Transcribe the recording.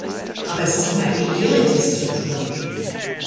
Aber es ist mir eine Ehre, dies zu tun.